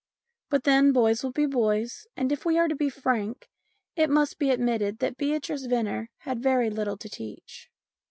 But then boys will be boys and, if we are to be frank, it must be admitted that Beatrice Venner had very little to teach.